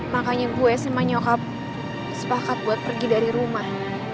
makanya gue sama nyokap sepakat buat pergi dari rumah